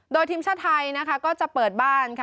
โดยทีมชาติไทยนะคะก็จะเปิดบ้านค่ะ